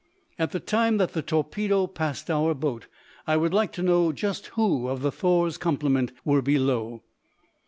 At the time that the torpedo passed our boat I would like to know just who of the 'Thor's' complement were below."